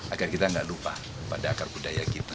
agar kita nggak lupa pada akar budaya kita